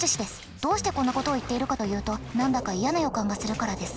どうしてこんなことを言っているかというと何だか嫌な予感がするからです。